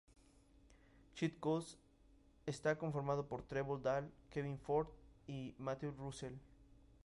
Cheat Codes está conformado por Trevor Dahl, Kevin Ford, y Matthew Russell.